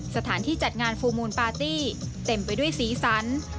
สถานที่จัดงานฟูลมูลปาร์ตี้เต็มไปด้วยสีสัน